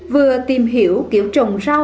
vừa tìm hiểu kiểu trồng rau